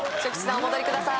お戻りください